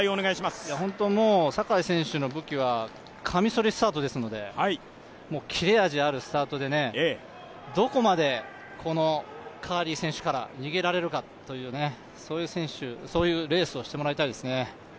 坂井選手の武器はカミソリスタートですので切れ味あるスタートで、どこまでカーリー選手から逃げられるかというそういう選手、そういうレースをしてもらいたいですね。